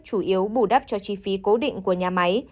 chủ yếu bù đắp cho chi phí cố định của nhà máy